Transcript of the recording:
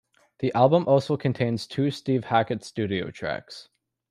The album also contains two Steve Hackett studio tracks.